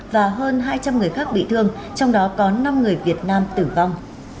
và hơn hai trăm linh người khác bị thương trong đó có năm người việt nam tử vong